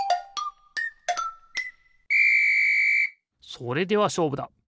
それではしょうぶだ。